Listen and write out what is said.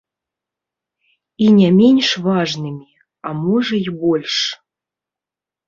І не менш важнымі, а можа і больш.